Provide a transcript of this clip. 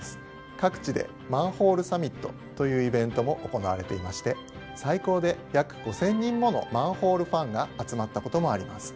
各地で「マンホールサミット」というイベントも行われていまして最高で約５，０００人ものマンホールファンが集まったこともあります。